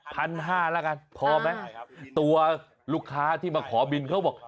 พันห้าแล้วกันพอไหมตัวลูกค้าที่มาขอบินเขาบอก